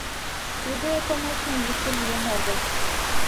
Тудо, конешне, йӱшӧ лийын огыл.